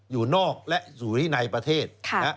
อยู่นอกและอยู่ที่ในประเทศ